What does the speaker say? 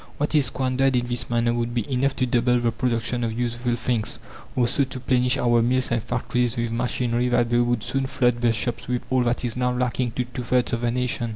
What is squandered in this manner would be enough to double the production of useful things, or so to plenish our mills and factories with machinery that they would soon flood the shops with all that is now lacking to two thirds of the nation.